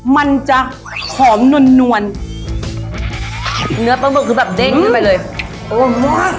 มันจะหอมนวลเนื้อป้องตัวคือแบบเด้งขึ้นไปเลยอร่อยมาก